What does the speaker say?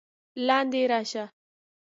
لاندې راشه!